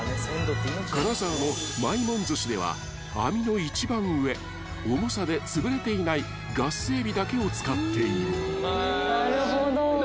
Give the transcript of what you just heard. ［金沢のまいもん寿司では網の一番上重さでつぶれていないガスエビだけを使っている］